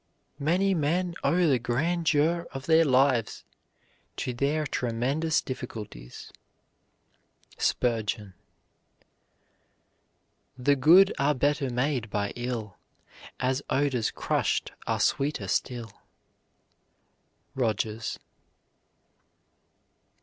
Many men owe the grandeur of their lives to their tremendous difficulties. SPURGEON. The good are better made by ill, As odors crushed are sweeter still. ROGERS.